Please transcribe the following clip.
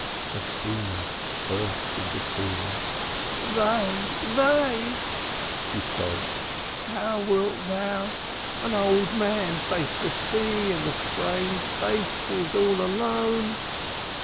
But Beenah burst into fresh tears. "Woe! Woe!" she sobbed. "How wilt thou, an old man, face the sea and the strange faces all alone?